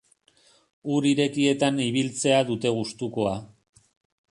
Ur irekietan ibiltzea dute gustukoa.